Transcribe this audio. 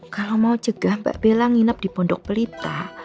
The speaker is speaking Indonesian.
kalo mau cegah mbak bella nginep di pendok pelita